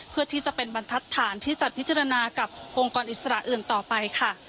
เพื่อที่จะเป็นบรรทัศน์ที่จะพิจารณากับองค์กรอิสระอื่นต่อไปค่ะ